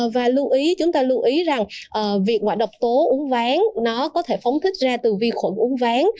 và chúng ta lưu ý rằng việc ngoại độc tố uống ván nó có thể phóng thích ra từ vi khuẩn uống ván